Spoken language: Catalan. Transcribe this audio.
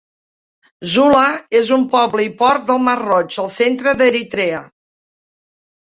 Zula és un poble i port del Mar Roig, al centre d'Eritrea.